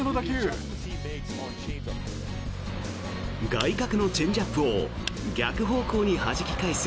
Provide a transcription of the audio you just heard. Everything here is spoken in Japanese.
外角のチェンジアップを逆方向にはじき返す